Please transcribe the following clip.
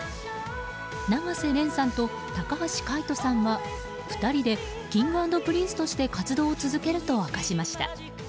永瀬廉さんと高橋海人さんは２人でＫｉｎｇ＆Ｐｒｉｎｃｅとして活動を続けると明かしました。